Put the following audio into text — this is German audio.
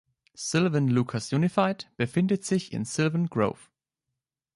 Sylvan-Lucas Unified befindet sich in Sylvan Grove.